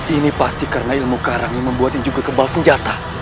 ini pasti karena ilmu karang yang membuatnya juga kebal senjata